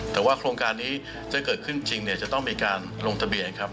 แต่ว่าโครงการนี้ถ้าเกิดขึ้นจริงเนี่ยจะต้องมีการลงทะเบียนครับ